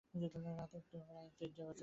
রাত তো বাজে প্রায় সাড়ে তিনটা।